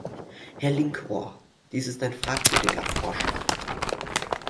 Herr Linkohr, dies ist ein fragwürdiger Vorschlag.